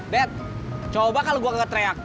dad coba kalau gue kagak teriak